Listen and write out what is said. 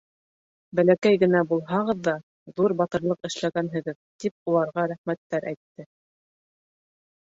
Бәләкәй генә булһағыҙ ҙа, ҙур батырлыҡ эшләгәнһегеҙ, тип уларға рәхмәттәр әйтте.